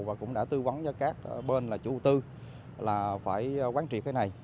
và cũng đã tư vấn cho các bên là chủ tư là phải quán trị cái này